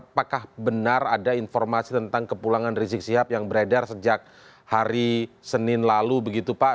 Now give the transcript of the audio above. apakah benar ada informasi tentang kepulangan rizik sihab yang beredar sejak hari senin lalu begitu pak